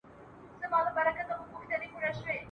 الوداع درڅخه ولاړم ستنېدل مي بیرته نسته !.